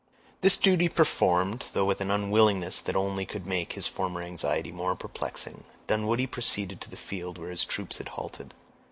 This duty performed, though with an unwillingness that only could make his former anxiety more perplexing, Dunwoodie proceeded to the field where his troops had halted.